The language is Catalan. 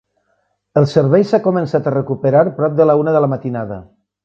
El servei s’ha començat a recuperar prop de la una de la matinada.